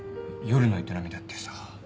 夜の営みだってさ。